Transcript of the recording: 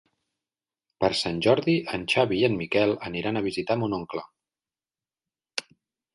Per Sant Jordi en Xavi i en Miquel aniran a visitar mon oncle.